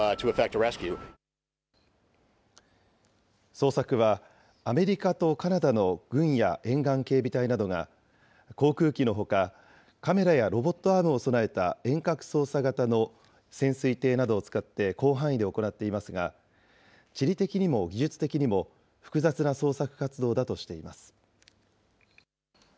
捜索は、アメリカとカナダの軍や沿岸警備隊などが、航空機のほか、カメラやロボットアームを備えた遠隔操作型の潜水艇などを使って広範囲で行っていますが、地理的にも技術的にも複雑な捜索活動だとしています。